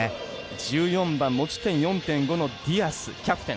１４番、持ち点４．５のディアスがキャプテン。